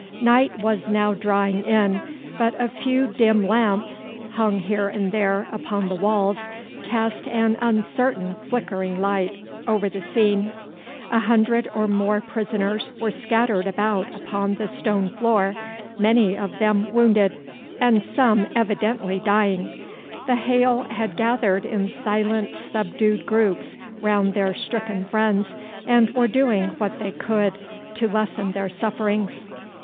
Night was now drawing in, but a few dim lamps, hung here and there upon the walls, cast an uncertain, flickering light over the scene. A hundred or more prisoners were scattered about upon the stone floor, many of them wounded, and some evidently dying. The hale had gathered in silent, subdued groups round their stricken friends, and were doing what they could to lessen their sufferings.